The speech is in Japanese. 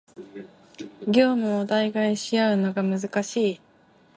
業務を代替し合うのが難しい